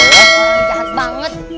wah jahat banget